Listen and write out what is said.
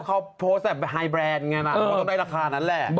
เขาโพสต์แบบไฮแบรนด์ไงนะว่าต้องได้ราคานั้นแหละ